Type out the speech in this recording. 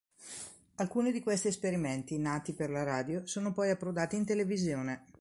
Alcuni di questi esperimenti, nati per la radio, sono poi approdati in televisione.